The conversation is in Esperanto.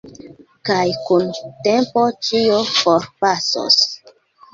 Kaj kun tempo ĉio forpasos.